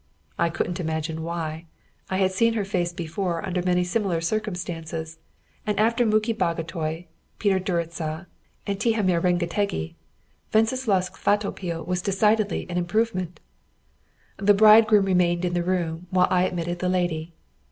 I couldn't imagine why. I had seen her face before under many similar circumstances, and after Muki Bagotay, Peter Gyuricza, and Tihamér Rengetegi, Wenceslaus Kvatopil was decidedly an improvement. The bridegroom remained in the room while I admitted the lady.